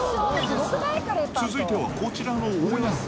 続いてはこちらの親子。